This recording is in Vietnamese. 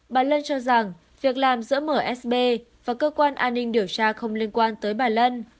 bà lân cho rằng việc làm giữa msb và cơ quan an ninh điều tra không liên quan tới bà lân